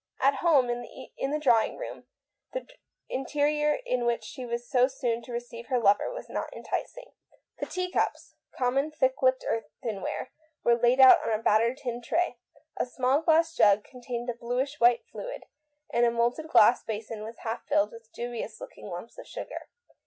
At home, in the drawing room, the milieu in which she was soon to receive her lover was not enticing. The tea cups — common thick lipped earthen ware — were laid out on a battered tin tray ; THE WOMAN WAITS. 155 a small glass jug contained a bluish white fluid, and a moulded glass basin was filled with dubious looking lumps of sugar.